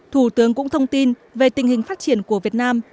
thủ tướng cũng thông tin về tình hình phát triển của việt nam